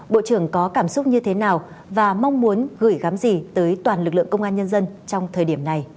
bộ trưởng có cảm xúc như thế nào và mong muốn gửi gắm gì tới toàn lực lượng công an nhân dân trong thời điểm này